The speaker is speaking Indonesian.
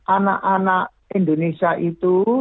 anak anak indonesia itu